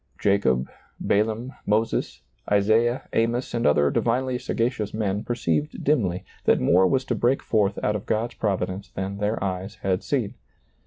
Jacob, Balaam, Moses, Isaiah, Amos, and other divinely sagacious men perceived dimly that more was to break forth out of God's providence than their eyes had seen.